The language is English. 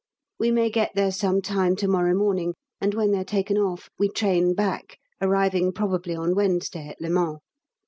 We may get there some time to morrow morning, and when they are taken off, we train back, arriving probably on Wednesday at Le Mans.